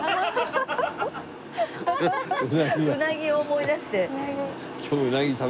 うなぎを思い出して。